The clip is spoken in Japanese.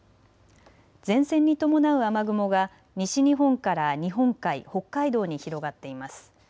前線に伴う雨雲が西日本から日本海、北海道に広がっています。